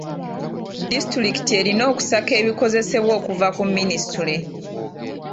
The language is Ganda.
Disitulikiti erina okusaka ebikozesebwa okuva ku minisitule.